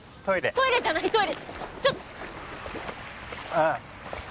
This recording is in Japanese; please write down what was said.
トイレじゃないトイレちょ。